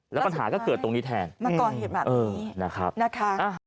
แล้วปัญหาก็เกิดตรงนี้แทนมาก่อเหตุแบบนี้นะครับนะคะ